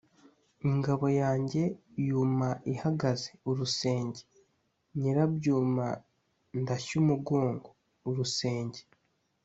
Ingabo yanjye yuma ihagaze-Urusenge. Nyirabyuma ndashya umugongo-Urusenge.